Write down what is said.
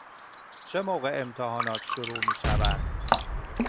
چه موقع امتحانات شروع می شوند؟